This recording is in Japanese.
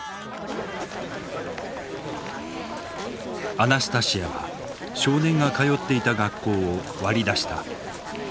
アナスタシヤは少年が通っていた学校を割り出した。